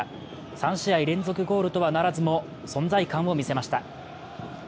３試合連続ゴールとはならずも存在感を見せました。